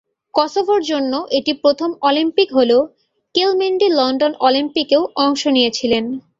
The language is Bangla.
কসোভোর জন্য এটি প্রথম অলিম্পিক হলেও কেলমেন্ডি লন্ডন অলিম্পিকেও অংশ নিয়েছিলেন।